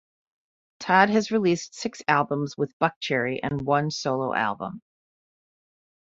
Todd has released six albums with Buckcherry and one solo album.